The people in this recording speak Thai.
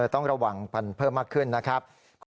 ต้องระวังเพิ่มมากขึ้นนะครับ